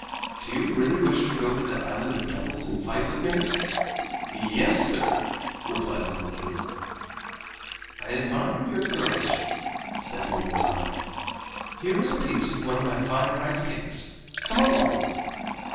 "Do you really wish to go to the Island of Devils and fight with me?" "Yes, sir," replied the monkey. "I admire your courage," said Momotaro. "Here is a piece of one of my fine rice cakes. Come along!"